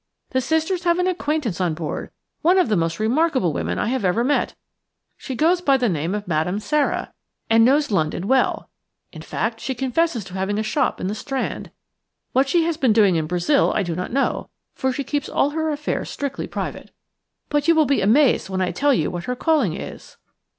The sisters have an acquaintance on board, one of the most remarkable women I have ever met. She goes by the name of Madame Sara, and knows London well. In fact, she confesses to having a shop in the Strand. What she has been doing in Brazil I do not know, for she keeps all her affairs strictly private. But you will be amazed when I tell you what her calling is."